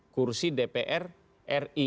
kursi dpr ri